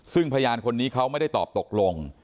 ซึ่งพยานคนนี้เขาไม่ได้ตอบตกลง